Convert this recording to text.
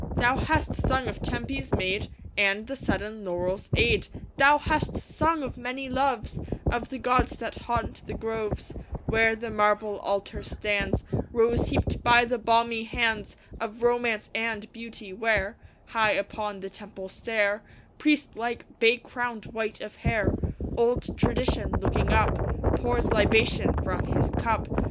Thou hast sung of Tempe's maid, And the sudden laurel's aid. Thou hast sung of many loves Of the gods that haunt the groves Where the marble altar stands Rose heaped by the balmy hands Of Romance and Beauty; where, High upon the temple stair, Priest like, bay crowned, white of hair, Old Tradition, looking up, Pours libation from his cup.